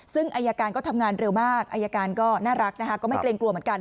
ซึ่งอายการก็ทำงานเร็วมากอายการก็น่ารักนะคะก็ไม่เกรงกลัวเหมือนกัน